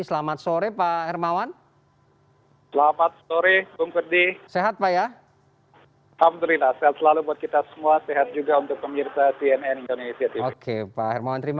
selamat sore pak hermawan